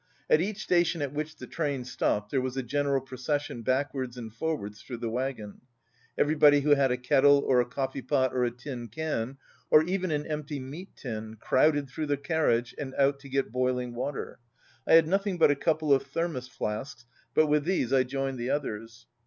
At each station at which the train stopped there was a general procession backwards and forwards through the wagon. Everybody who had a kettle or a coffee pot or a tin can, or even an empty meat tin, crowded through the carriage and out to get boiling water. I had nothing but a couple of thermos flasks, but with these I joined the others.